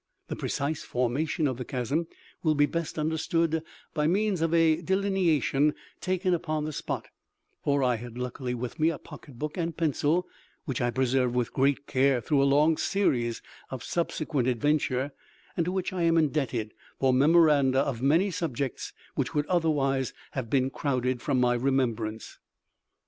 The precise formation of the chasm will be best understood by means of a delineation taken upon the spot; for I had luckily with me a pocketbook and pencil, which I preserved with great care through a long series of subsequent adventure, and to which I am indebted for memoranda of many subjects which would otherwise have been crowded from my remembrance.